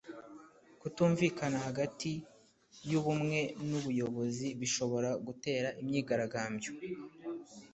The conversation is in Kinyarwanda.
kutumvikana hagati y'ubumwe n'ubuyobozi bishobora gutera imyigaragambyo